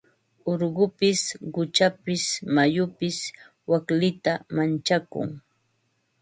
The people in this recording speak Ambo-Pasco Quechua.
Urqupis quchapis mayupis waklita manchakun.